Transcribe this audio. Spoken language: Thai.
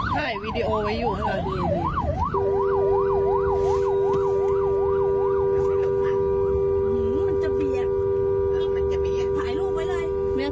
มันจะเบียด